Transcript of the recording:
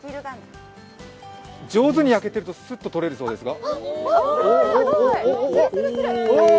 上手に焼けてるとすっと取れるそうですが。